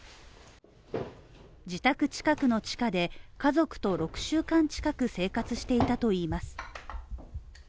自宅近くの地下で家族と６週間近く生活していたといいます。